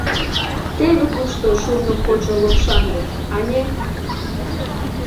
Теве кушто шурно кочшо лопшаҥгет, ане!..